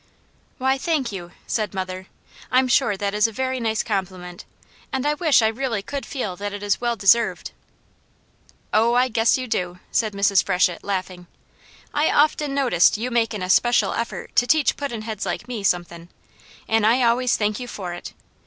"Why, thank you," said mother. "I'm sure that is a very nice compliment, and I wish I really could feel that it is well deserved." "Oh I guess you do!" said Mrs. Freshett laughing. "I often noticed you makin' a special effort to teach puddin' heads like me somethin', an' I always thank you for it.